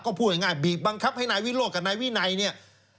ก็พูดง่ายบีบบังคับให้นายวิโรธกับนายวินัยเนี่ย